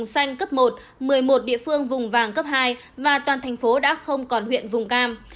xanh cấp một một mươi một địa phương vùng vàng cấp hai và toàn thành phố đã không còn huyện vùng cam